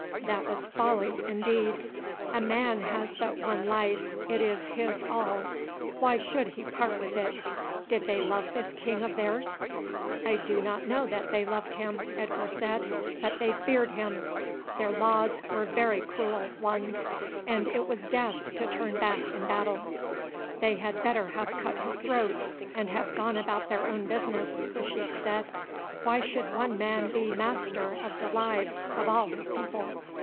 That was folly indeed. A man has but one life, it is his all; why should he part with it? Did they love this king of theirs?" "I do not know that they loved him," Edgar said, "but they feared him. Their laws were very cruel ones, and it was death to turn back in battle." "They had better have cut his throat and have gone about their own business," the sheik said. "Why should one man be master of the lives of all his people.